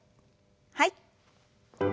はい。